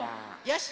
よし！